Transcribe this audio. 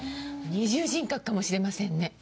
二重人格かもしれませんね。